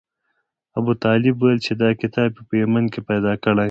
ابوطالب ویل چې دا کتاب یې په یمن کې پیدا کړی.